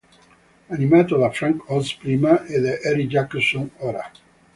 Animato da Frank Oz prima, e da Eric Jacobson ora.